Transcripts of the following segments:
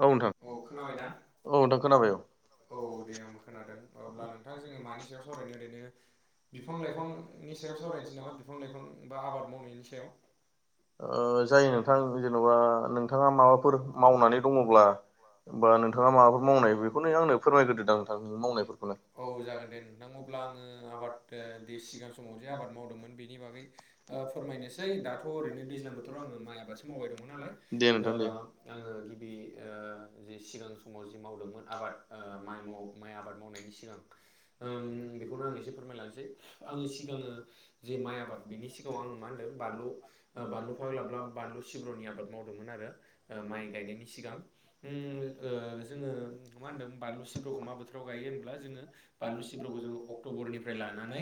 औ नोंथां औ नोंथां खोनाबाय औ औ दे आंबो खोनादों अब्ला नोंथां जोङो मानि सायाव सावरायनो ओरैनो बिफां लाइफांनि सायाव सावरायनोसै नामा बिफां लाइफां बा आबाद मावनायनि सायाव ओ जायो नोंथां जेन'बा नोंथाङा माबाफोर मावनानै दंबा होमबा नोंथाङा माबाफोर मावनाय बेखौनो आंनो फोरमायग्रदोदां नोंथांनि मावनायफोरखौनो। औ जागोन दे नोंथां अब्ला आङो आबाद दे सिगां समाव जे आबाद मावदोंमोन बेनि बागै ओ फोरमायनोसै दाथ' ओरैनो दैज्लां बोथोराव आङो माइ आबादसो मावबाय दङ नालाय दा आङो गि बि ओ सिगां समाव जे मावदोंमोन आबाद माइ माइ आबाद मावनायनि सिगां ओम बेखौनो आं एसे फोरमायलांसै आङो सिगाङो जे माइ आबाद बेनि सि गांयाव मा होनदों बानलु ओ बानलु फाग्ला बानलु सिब्र'नि आबाद मावदोंमोन आरो। ओ माइ गायनायनि सिगां ओम ओ जोङो मा होनदों बानलु सिब्रखो मा बोथोराव गायो होनब्ला जोङो बानलु सिब्रखौ जोङो अक्ट'बरनिफ्राय लानानै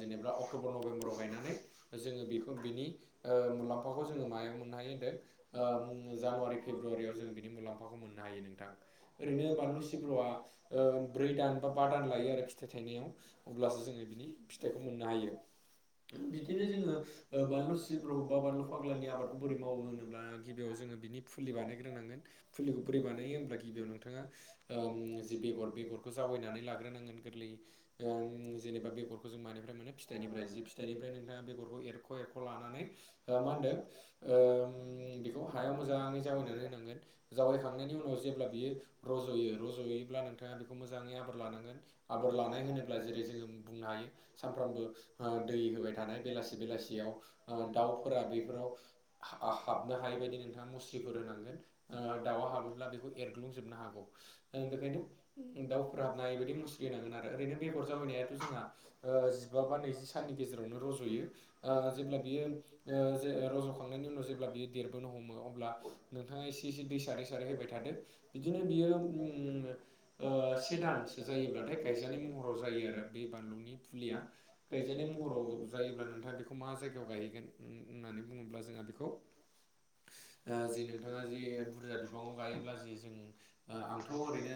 जेनेबा अक्ट'बर नभेम्बराव गायनानै जोङो बेखौ बिनि ओ मुलाम्फाखौ जोङो मायाव मोननो हायो होन्दों ओ ओम जानुवारि फेब्रुवारियाव जों बिनि मुलाम्फा खौ मोननो हायो नोंथां ओरैनो बानलु सिब्रुआ ब्रै दान बा बा दान लायो आरो फिथाइ थाइनायाव अब्लासो जोङो बिनि फिथाइखौ मोननो हायो। बिदिनो जोङो ओ बानलु सिब्रु बा बानलु फाग्लानि आबादखौ बोरै मावो होनोब्ला गिबियाव जोङो बिनि फुलि बानायग्रोनां गोन फुलिखौ बोरै बानायो होमब्ला गिबियाव नोंथाङा ओम जि बेगर बेगर जावायनानै लाग्रोनांगोन गोरलै ओम जेनेबा बेगरखौ जों मानिफ्राय मोनो फिथाइनिफ्राय फिथाइनिफ्राय नोंथाङा बेगरखौ एरख' एरख' लानानै मा होनदों ओ खौ हायाव मोजाङै जावैनानै होनांगोन जावैखांनायनि उनाव जेब्ला बियो रज'यो रज'योब्ला नोंथाङा बेखौ मोजाङै आबोर लानांगोन। आबर लानाय होनोब्ला जेरै जोङो बुंनो हायो सानफ्रोमबो ओ दै होबाय थानाय बेलासि बेलासियाव ओ दाउफोरा बेफोराव हाबनो हायै बदि नोंथाङा मस्लिफोर होनांगोन ओ दाउआ हाबोब्ला बेखौ एरग्लुंजोबनो हागौ बेखायनो दाउफोरा हाबनो हायिबायदि मुस्रि होनांगोन आरो ओरैनो बेगर जावैनायाथ' जोंहा जिबा बा नैजि साननि गेजेरावनो रज'यो। ओ जेब्ला बियो ओ जे रज'खांनायनि उनाव जेब्ला बियो देरबोनो हमो अब्ला नोंथाङा एसे एसे दै सारै सारै होबाय थादो बिदिनो बियो ओम ओ से दानसो जायोब्लाथाय गायजानाय महराव जायो आरो बे बानलुनि फुलिया गायजानाय महराव जायोब्ला नोंथाङा बेखौ मा जायगायाव गायहैगोन होननानै बुङोब्ला जोंहा बेखौ ओ जि नोंथाङा जि बुरजा बिबाङाव गायोब्ला जि जों आंथ' ओरैनो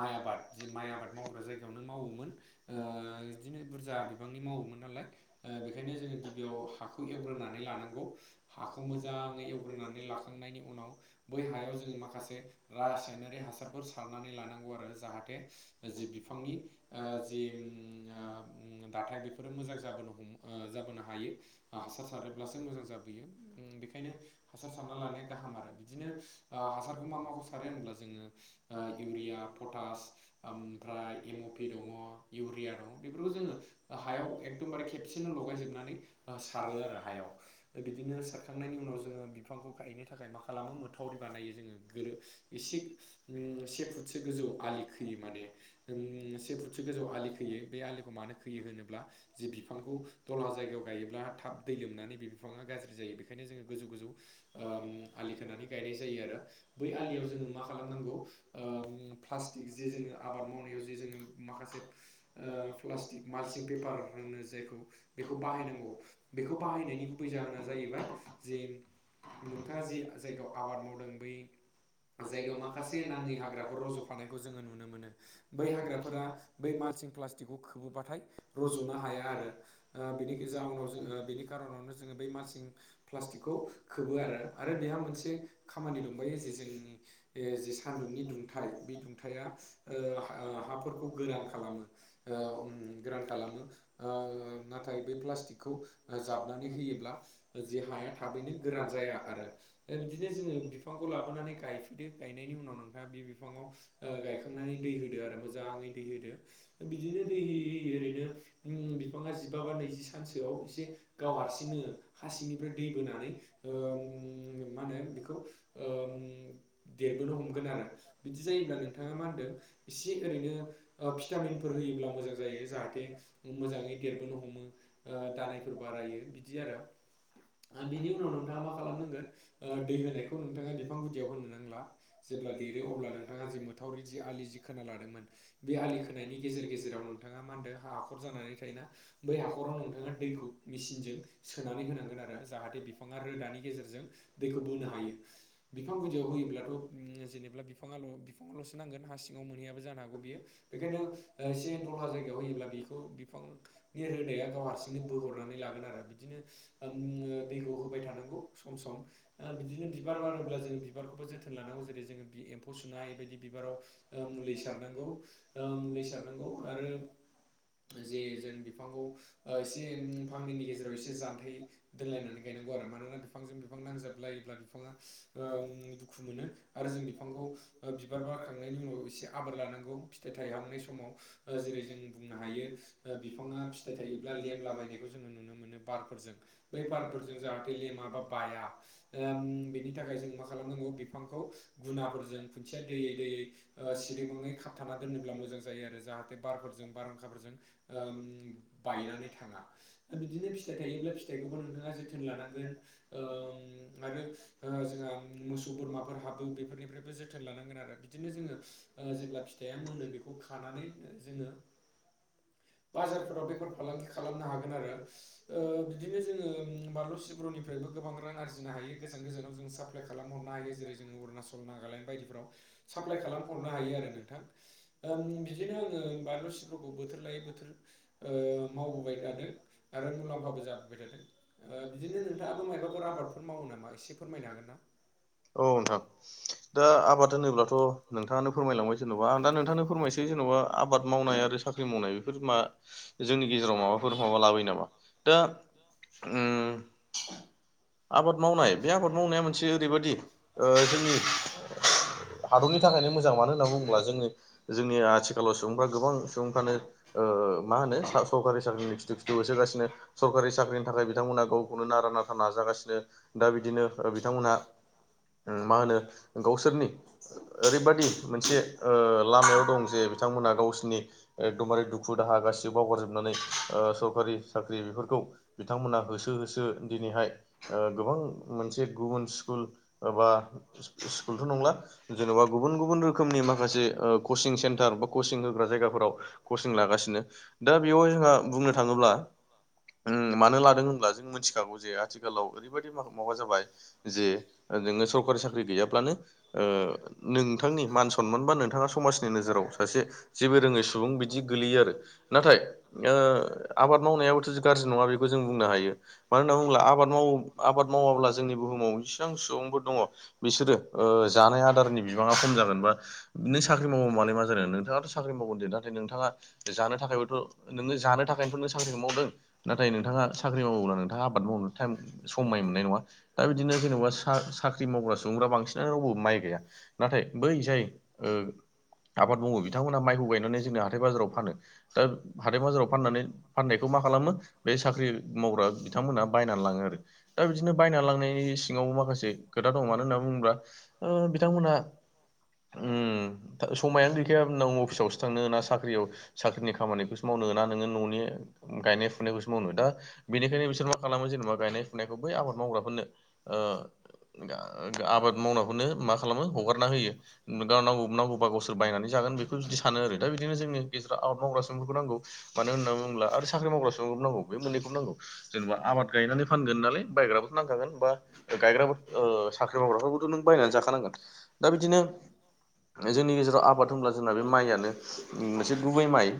माइ आबाद जे माइ आबाद मावग्रा जायगायावनो मावोमोन ओ बिदिनो बुरजा बिबांनि मावोमोन नालाय बेखायनो जोङो गिबियाव हाखौ एवग्रोनानै लानांगौ हाखौ मोजाङै एवग्रोनानै लाखांनायनि उनाव बै हायाव जोङो माखासे रासायनारि हासारफोर सारनानै लानांगौ आरो जाहाथे जि बिफांनि जि दाथाय बेफोरो मोजां जाबोनो हमो। जाबोनो हायो हासार सारोब्लासो मोजां जाबोयो बेखायनो हासार सारना लानाया गाहाम आरो ओ बिदिनो हासारखौ मा माखौ सारो होनब्ला जोङो ओ इउरिया पटास ओमफ्राय एम'पि दङ इउरिया दङ बेफोरखौ जोङो हायाव एकदमबारे खेबसेनो लगायजोबनानै सारो आरो हायाव बिदिनो खांनायनि उनाव जोङो बिफांखौ गायनो थाखाय मा खालामो मोथावरि बानायो जोङो गोदो एसे से फुटसो गोजौ आलि खोयो माने से फुटसो गोजौ आलि खोयो बे आलिखौ मानो खोयो होनोब्ला जि बिफांखौ दल्हा जायगायाव गायोब्ला थाब दै लोमनानै बे बिफाङा गाज्रि जायो बेखायनो जोङो गोजौ गोजौ ओम आलि खोनानै गायनाय जायो आरो बै आलियाव जोङो मा खालामनांगौ प्लास्टिक जि जोङो आबाद मावनायाव जि जोङो माखासे माल्सिं पेपार होनो जायखौ बेखौ बाहायनांगौ बेखौ बाहायनायनि गुबै जाहोना जाहैबाय जे नोंथाङा जि जायगायाव आबाद मावदों बै जायगायाव माखासे नाङै हाग्राफोर रज'फानायखौ जोङो नुनो मोनो बै हाग्राफोरा बै माल्सिं प्लास्टिक खौ खोबोबाथाय रज'नो हाया आरो बिनि जाउनाव जोङो बिनि खारनावनो जोङो बै मासिं प्लास्टिकखौ खोबो आरो आरो बेहा मोनसे खामानि दंबायो जे जोंनि जे सान्दुंनि दुंथाइ बे दुंथाया हाफोरखौ गोरान खालामो। ओशनाथाय बे प्लास्टिकखौ जाबनानै होयोब्ला जे हाया थाबैनो गोरान जाया आरो दा बिदिनो जोङो बिफांखौ लाबोनानै गायफैदो गायनायनि उनाव नोंथाङा बे बिफाङाव गायखांनानै दै होदो आरो मोजाङै दै होदो बिदिनो दै होयै होयै ओरैनो बिफाङा जिबा बा नैजि सानसोआव एसे गाव हारसिंनो हा सिंनिफ्राय दै बोनानै ओम मा होनो बेखौ देरबोनो हमगोन आरो बिदि जायोब्ला नोंथाङा मा होनदों एसे ओरैनो भिटामिनफोर होयोब्ला मोजां जायो। जाहाथे मोजाङै देरबोनो हमो दालायफोर बारायो बिदि आरो बिनि उनाव नोंथाङा मा खालामनांगोन दै होनायखौ नोंथाङा बिफां गुदियाव होनो नांला। जेब्ला देरो अब्ला नोंथाङा जि मोथावरि जि आलि जि खोना लादोंमोन बे आलि खोनायनि गेजेर गेजेराव नोंथां मा होनदों हाखर जानानै थायोना बै हाखराव नोंथाङा दैखौ मेसिनजों सोनानै होनांगोन आरो जाहाथे बिफाङा रोदा नि गेजेरजों दैखौ बोनो हायो बिफां गुदियाव होयोब्लाथ' जेनेब्ला बिफां‌ बिफाङाल' नांगोन हा सिङाव मोनहैयाबो जानो हागौ बियो बेखायनो एसे दलहा जायगायाव होयोब्ला बेखौ बिफां नि रोदाया गाव हारसिंनो बोहरनानै लागोन आरो बिदिनो दैखौ होबाय थानांगौ सम सम बिदिनो बिबार बारोब्ला जोङो बिबारखौबो जोथोन लानांगौ जेरै जोङो एम्फौ सुनायबायदि बिबाराव मुलि सारनांगौ मुलि सारनांगौ आरो जे जों बिफांखौ एसे फांनैनि गेजेराव एसे जान्थाइ दोनलायनानै गायनांगौ आरो मानो होन मानोना बिफांजों बिफां नांजाबलायोब्ला बिफाङा दुखु मोनो आरो जों बिफांखौ बिबार बारखांनायनि उनाव एसे आबोर लानांगौ फिथाइ थायहांनाय समाव जेरै जों बुंनो हायो बिफाङा फिथाइ थायोब्ला लेमलाबायनाय जोङो नुनो मोनो बारफोरजों बै बारफोरजों जाहाथे लेमा बा बाया बिनि थाखाय जों मा खालामनांगौ बिफांखौ गुनाफोरजों खुन्थिया दोयै दोयै सिरि मोननै थाना दोनोब्ला मोजां जायो आरो जाहाथे बारफोरजों बारहुंखाफोरजों ओ उम बायनानै थाङा आरो बिदिनो फिथाइ थायोब्ला फिथाइखौबो नोंथाङा जोथोन लानां गोन‌ ओ उम आरो जोंहा मोसौ बोरमाफोर हाबो बेफोरनिफ्रायबो जोथोन लानांगोन आरो। बिदिनो जोङो ओ जेब्ला फिथाइया मोनो बेखौ खानानै जोङो बाजारफोराव बेफोर फालांगि खालामनो हागोन आरो ओ बिदिनो जोङो बानलु सिब बरुर'निफ्रायबो गोबां रां आरजिनो हायो गोजान गोजानाव जों साप्लााय खालाम हरनो हायो जेरै जोङो अरुणाचल, नागालेण्ड बायदिफ्राव साप्लााय खालाम हरनो हायो आरो नोंथां। बिदिनो आङो बानलु सिफोरखौ बोथोर लायै बोथोर मावबोबाय थादों। आरो मुलाम्फाबो जाबोबाय थादों। बिदिनो नोंथाङाबो मायबाफोर आबादफोर मावो नामा एसे फोरमायनो हागोन ना? औ नोंथां दा आबाद होनोब्लाथ' नोंथाङानो फोरमायलांबाय सोरनाव आं दा नोंथांनो फोरमायसै जेन'बा आबाद मावनाय आरो साख्रि मावनाय बेफोर मा जोंनि गेजेराव माबाफोर माबा लाबोयो नामा दा उम आबाद मावनाय बे आबाद मावनाया मोनसे ओरैबादि ओ जोंनि हादरनि थाखायनो मोजां मानो होनना बुङोब्ला जोंनि जोंनि आथिखालाव सुबुंफ्रा गोबां सुबुंफ्रानो ओ मा होनो सरकारि साख्रिनि खिथु खिथु होसोगासिनो सरकारि साख्रिनि थाखाय बिथांमोनहा गावखौनो नारा नाथा नाजागासिनो दा बिदिनो बिथांमोनहा उम मा होनो गावसोरनि ओरैबादि मोनसे ओ लामायाव दं जे बिथांमोना गावसिनि एकदमबारे दुखु दाहा गासिबो बावगारजोबनानै ओ सरकारि साख्रि बेफोरखौ बिथांमोना होसो होसो दिनैहाय ओ गोबां मोनसे गुबुन स्कुल एबा स्कुलथ' नंला जेन'बा गुबुन गुबुन रोखोमनि मा खासे ओ कचिं सेन्टार बा कचिं होग्रा जायगाफोराव कचिं लागासिनो। दा बेवहाय जोंहा बुंनो थाङोब्ला उम मानो लादों होनब्ला जों मिथिखागौ जे आथिखालाव ओरैबायाददि माबा जाबाय जे नोङो सरकारि साख्रि गैयाब्लानो ओ नोंथांनि मान सन सनमानबा नोंथाङा समाजनि नोजोराव सासे जेबो रोङै सुबुं बिदि गोलैयो आरो नाथाय आबाद ओ मावनायाबोथ' गाज्रि नङा बेखौ जों बुंनो हायो। मानो होनना बुङोब्ला आबाद माव आबाद मावाब्ला जोंनि बुहुमाव जसेसबां सुबुंबो दङ बिसोरो ओ जानाय आदारनि बिबाङा खम जागोन बा नों साख्रि मावगौ मालाय मा जानो नोंथाङाथ' साख्रि मावगोन दे नाथाय नोंथाङा जानो थाखायबोथ' नोङो जानो थाखायनोथ' नों सा साख्रिखौ मावदों नाथाय नोंथाङा साख्रि मावोब्ला नोंथाङा आबाद मावनो टाइम समाय मोननाय नङा दा बिदिनो जेन'बा सा-साख्रि ख्रि मावग्रा सुबुंफ्रा बांसिनानो रावबो माइ गैया नाथाय बै जाय आबाद मावो बिथांमोनहा माइखौ गायनानै जोंनि हाथाय बाजाराव फानो दा हाथाय बाजाराव फाननानै फाननायखौ मा खालामो बे साख्रि मावग्रा बिथांमोनहा बायनानै लाङो आरो दा बिदिनो बायना लांनायनि सिङावबो माखासे खोथा दं मानो होनना बुङोब्ला ओ बिथांमोनहा उम समायानो गखाया नों अफिसावसो थांनो होना साख्रियाव साख्रिनि खामानिखौसो मावनो होना नोङो न'नि गायनाय फुनायखौसो मावनो दा बेनिखायनो बिसोर मा खालामो जेनेबा गायनाय फुनायखौ बै आबाद मावग्राफोरनो ओ आबाद मावनाखौनो मा खालामो हगारना होयो। नांगौ नांगौबा गावसोर बायनानै जागोन बेखौ बिदि सानो आरो दा बिदिनो जोंनि गेजेराव आबाद मावग्रा सुबुंफोरखौ नांगौ मानो होनना बुङोब्ला आरो साख्रि मावग्रासि नांगौ बे मोननैखौबो नांगौ। जेनेबा आबाद गायनानै फानगोन नालाय बायग्राबोथ' नांखागोन बा गायग्रा ओ साख्रि मावग्राफोरखौथ' नों बायनानै जाखानांगोन दा बिदिनो जोंनि गेजेराव आबाद होनब्ला जोंना बे माइयानो मोनसे गुबै माइ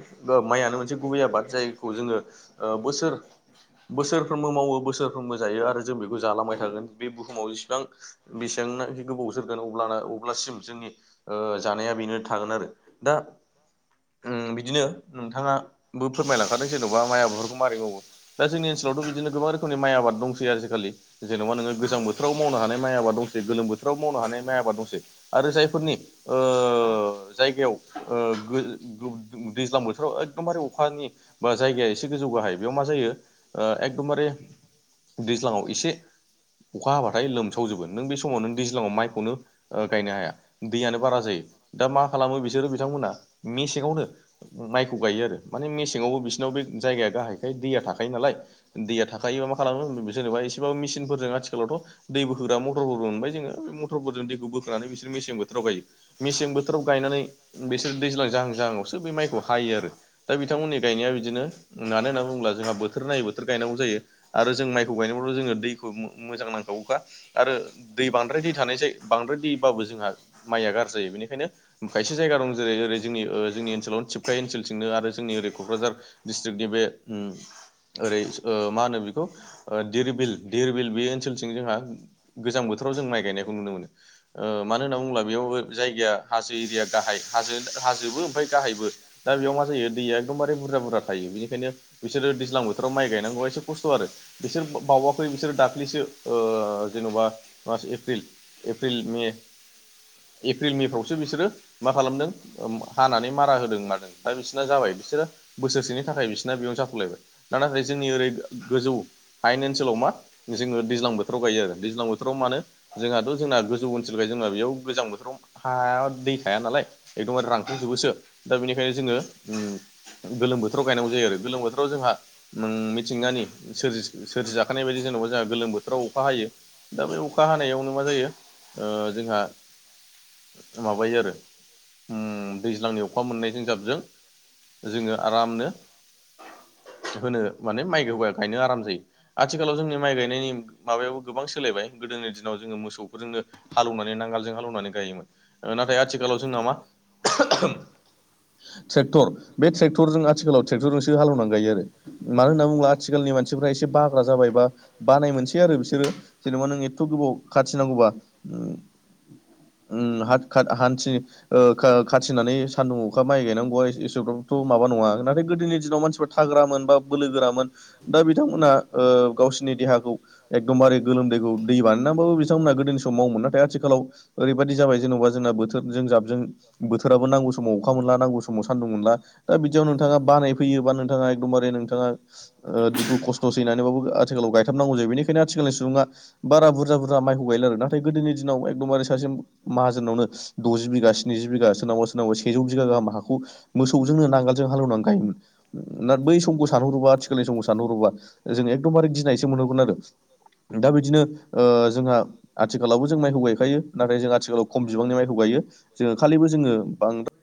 माइयानो मोनसे गुबै आबाद जायखौ जोङो ओ बोसोर बोसोरफ्रोमबो मावो बोसोरफ्रोमबो जायो आरो जों बेखौ जालांबाय थागोन बे बुहुमाव जिसिबां बेसेबांनाखि गोबाव सोरगोन अब्लाना अब्लासिम जोंनि औ जानाया बेनो थागोन आरो दा उम बिदिनो नोंथाङाबो फोरमायलांखादों जेन'बा माइ आबदखौ मारै मावो दा जोंनि ओनोलावथ' बिदिनो गोबां रोखोमनि माइ आबाद दंसै आजिखालि जेन'बा नोङो गोजां बोथोराव मावनो हानाय माइ आबाद दंसै गोलोम बोथोराव मावनो हानाय माइ आबाद दंसै आरो जायफोरनि ओ जायगायाव ओ गो दैज्लां बोथोराव एखदमबारे अखानि बा जायगाया एसे गोजौ गाहाय बेयाव मा जायो ओ एकदमबारे दैज्लाङाव एसे अखा हाबाथाय लोमसाव जबो नों बे समाव नों दैज्लाङाव माइखौनो ओ गायनो हाया। दैयानो बारा जायो दा मा खालामो बिसोरो बिथांमोना मेसेंआवनो माइखौ गायो आरो माने मेसेङावबो बिसोरनाव बे जायगाया गाहायखाय दैया थाखायो नालाय दैया थाखायोबा मा खालामो जेनेबा एसेबाबो मेसिनफोरजों आथिखालावथ' दै बोग्रा मटरफोरबो मोनबाय जोङो बे मथरफोरजों दैखौ बखोनानै बिसोर मसेन बु बोथोराव गायो मेसें बोथोराव गायनानै बिसोर दैज्लां जाहां जाहांआवसो बे माइखौ हायो आरो दा बिथांमोननि गायनाया बिदिनो मानो होनना बुङोब्ला जोंहा बोथोर नायै बोथोर गायनांगौ जायो आरो जों माइखौ गायनायब्लाथ' जोङो दैखौ मोजां नांखागौखा आरो दै बांद्राय दै थानाय जायो बांद्राय दैबाबो जोंहा माइआ गाज्रि जायो बेनिखायनो खायसे जायगा दं जेर ओरै जोंनि जोंनि ओनसोलाव थिबखाय ओनसोलथिंनो आरो जोंनि ओरै क'क्राझार डिस्ट्रिकनि बे ओरै औ मा होनो बेखौ धिरबिल धिरबिल बे ओनसोलथिं जोंहा गोजां बोथोराव जों माइ गायनायखौ नुनो मोनो मानो होनना बुङोब्ला बेयाव जायगाया हाजो एरिया गाहाय हाजो हाजोबो ओमफफ्राय गाहायबो दा बेयाव मा जायो दैया एखदमबारे बुरजा बुरजा थायो बेनिखायनो बिसोरो दैज्लां बोथोराव माइ गायनांगौआ एसे खस्थ' आरो बिसोर बावाखै बिसोर दाखालिसो ओ जेन'बा March April April May April मेफ्रावसो बिसोरो मा खालामदों हानानै मारा होदों मादों दा बिसोरना जाबाय बिसोरो बोसोरसेनि थाखाय बिसोरना बेयावनो जाथ'लायबाय ना नाथाय जोंनि ओरै गोजौ हायेन ओनसोलाव मा जोङो दैज्लां बोथोराव गायो आरो दैज्लां बोथोराव मानो जोंहाथ' जोंना गोजौ ओनसोलखाय जोंना बेयाव गोजां बोथोराव हाया दै थाया नालाय एखदमबार रानथ'जोबोसो दा बेनिखायनो जोङो गोलोम बोथोराव गायनांगौ जायो आरो गोलोम बोथोराव जोंहा उम मिथिंगानि सोरि सोरजि जाखानाय बायदि जेनेबा जोंहा गोलोम बोथोराव अखा हायो दा बे अखा हानायावनो मा जायो ओ जोंहा माबायो आरो उम दैज्लांनि अखा मोननाय हिसाबजों जोङो आरामनो होनो माने माइ हौबाया गायनो आराम जायो आथिखालाव जोंनि माइ गायनायनि माबायावाबो गोबां सोलायबाय गोदोनि दिनाव जोङो मोसौफोरजोंनो हालेवनानै नांगालजों हालौवनानै गायोमोन नाथाय आथिखालाव जोंना मा ट्रेक्टर बे ट्रेक्टरजों आथिखालाव ट्रेक्टरजोंसो हालेवनानै गायो आरो मानो होनना बुङोब्ला आथिखालनि मानसिफोरा एसे बाग्रा जाबायबा बानाय मोनसै आरो बिसोरो जेनेबा नों एथथ' गोबाव खाथिनांगौबा उम हात खात हान्सि औ खाथिनानै सान्दुं अखा माइ गायनांगौय एसेबाबथ' माबा नङा नाथाय गोदोनि दिनाव मानसिफोरा थाग्रामोन बा बोलो गोरामोन दा बिथांमोना गावसोरनि देहाखौ एकदमबारे गोलोमदैखौ दै बानायनानैबाबो बिथांमोनहा गोदोनि सम मावोमोन नाथाय आथिखालाव ओरैबायदि जाबाय जेनेबा जोंना बोथोरजों जाबजों बोथोराबो नांगौ समाव अखा मोनला नांगौ समाव सान्दुं मोनला दा बिदियाव नोंथाङा बानाय फैयो बा नोंथाङा एकदमबारे नोंथाङा ओ दुखु खस्थ' सैनानैबाबो आथिखालाव गायथाबनांगौ जायो बेनिखायनो आथिखालनि सुबुङा बारा बुरजा बुरजा माइखौ गायला आरो नाथाय गोदोनि दिनाव एकदमबार फिसिम माहाजोनावनो द'जि बिघा स्निजि बिघा सोरनाबा सोरनावबा सेजौ बिगा गाहाम हाखौ मोसौजोंनो नांगोलजों हालेवनानै गायोमोन ना बै समखौ सानहरोबा आथिखालनि समखौ सानहरोबा जों एखदमबारे गिनायसो मोनहरगोन आरो। दा बिदिनो ओ जोंहा आथिखालावबो जों माइखौ गायखायो। नाथाय जों आथिखालाव खम बिबांनि माइखौ गायो। जोङो खालिबो जोङो बां